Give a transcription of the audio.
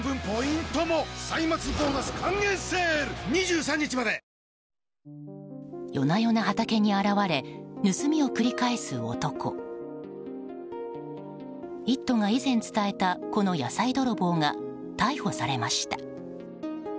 「イット！」が以前伝えたこの野菜泥棒が逮捕されました。